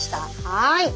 はい。